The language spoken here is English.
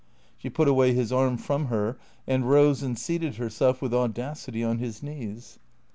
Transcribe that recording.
She put away his arm from her and rose and seated herself with audacity on his knees.